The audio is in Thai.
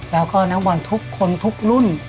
แล้วก็นักบอลทุกคนทุกรุ่น